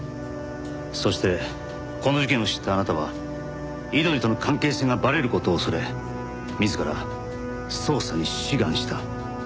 そしてこの事件を知ったあなたは井鳥との関係性がバレる事を恐れ自ら捜査に志願した。